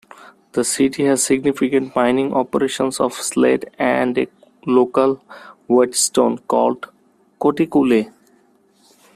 The city has significant mining operations of slate, and a local whetstone, called "coticule".